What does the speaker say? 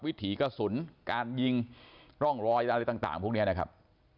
วิถีกระสุนการยิงร่องรอยอะไรต่างพวกนี้นะครับ